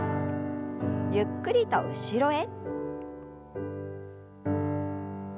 ゆっくりと後ろへ。